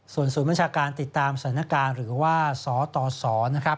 ส่วนศูนย์บัญชาการติดตามสถานการณ์หรือว่าสตสนะครับ